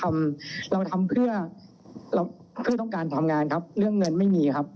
เราทำเพื่อเราเพื่อต้องการทำงานครับเรื่องเงินไม่มีครับ